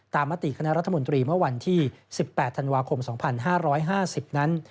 มติคณะรัฐมนตรีเมื่อวันที่๑๘ธันวาคม๒๕๕๐นั้น